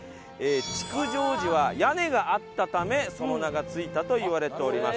築城時は屋根があったためその名が付いたといわれております。